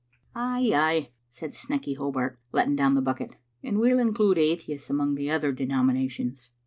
"Ay, ay," said Snecky Hobart, letting down the bucket, "and we'll include atheists among other de nominations."